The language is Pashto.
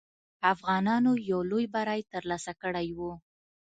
افغانانو یو لوی بری ترلاسه کړی وو.